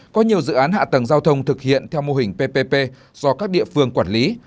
có nhiều dự án hạ tầng giao thông thực hiện theo mô hình ppp do các địa phương quản lý